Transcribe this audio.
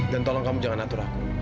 dan tolong kamu jangan atur aku